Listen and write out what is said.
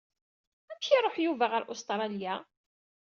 Amek i iruḥ Yuba ɣer Ustralya?